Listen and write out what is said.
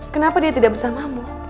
kenapa dia tidak bersamamu